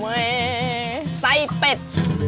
เว้ยไส้เป็ด